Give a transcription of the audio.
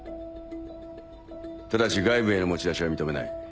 ただし外部への持ち出しは認めない。